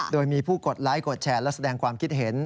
โดยมีผู้กดไลค์กดแชร์และแสดงความคิดเห็น